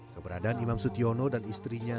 keberadaan imam sutyono dan istrinya